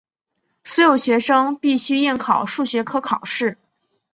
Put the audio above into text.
所有学生必须应考数学科考试。